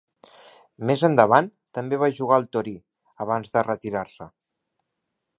Més endavant també va jugar al Torí abans de retirar-se.